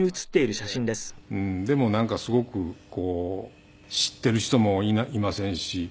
でもなんかすごく知っている人もいませんし。